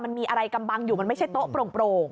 มันมีอะไรกำบังอยู่มันไม่ใช่โต๊ะโปร่ง